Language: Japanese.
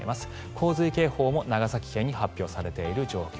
洪水警報も長崎県に発表されている状況。